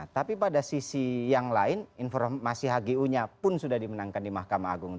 tapi pada sisi yang lain informasi hgu nya pun sudah dimenangkan di mahkamah agung